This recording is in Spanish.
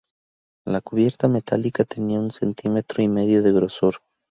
La cubierta metálica tenía un centímetro y medio de grosor.